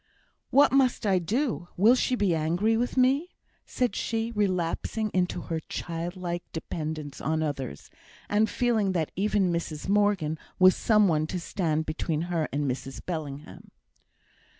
"What must I do? Will she be angry with me?" said she, relapsing into her child like dependence on others; and feeling that even Mrs Morgan was some one to stand between her and Mrs Bellingham.